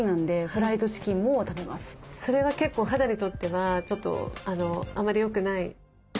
それは結構肌にとってはちょっとあまりよくない。